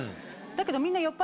だけどみんな。